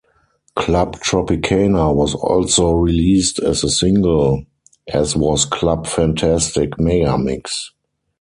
"Club Tropicana" was also released as a single, as was "Club Fantastic Megamix".